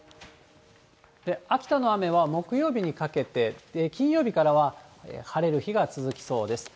秋田の雨は木曜日にかけて、金曜日からは晴れる日が続きそうです。